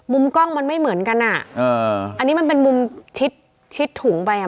มุมกล้องมันไม่เหมือนกันอะอันนี้มันเป็นมุมชิดถุงไปอะ